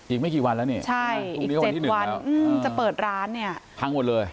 อีกไม่กี่วันแล้วนี่ใช่อีก๗๑วันจะเปิดร้านเนี่ยพังหมดเลย